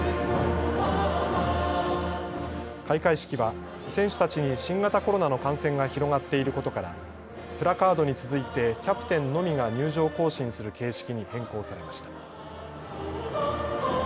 開会式は選手たちに新型コロナの感染が広がっていることからプラカードに続いてキャプテンのみが入場行進する形式に変更されました。